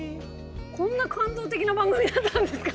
こんな感動的な番組だったんですか？